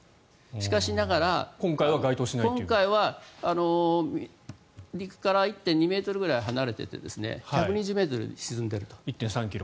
しかしながら今回は陸から１．２ｍぐらい離れていて１２０ｍ沈んでいると。